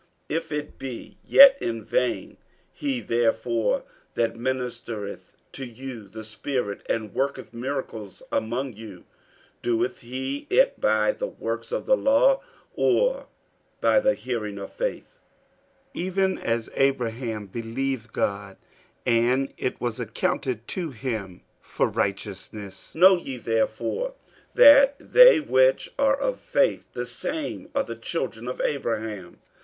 if it be yet in vain. 48:003:005 He therefore that ministereth to you the Spirit, and worketh miracles among you, doeth he it by the works of the law, or by the hearing of faith? 48:003:006 Even as Abraham believed God, and it was accounted to him for righteousness. 48:003:007 Know ye therefore that they which are of faith, the same are the children of Abraham.